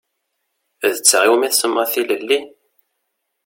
D ta i wumi tsemmaḍ tilelli?